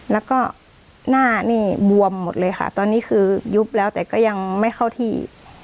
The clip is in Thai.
แล้วก็หน้านี่บวมหมดเลยค่ะตอนนี้คือยุบแล้วแต่ก็ยังไม่เข้าที่